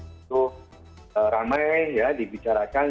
itu ramai ya dibicarakan